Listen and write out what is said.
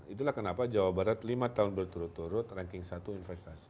itulah kenapa jawa barat lima tahun berturut turut ranking satu investasi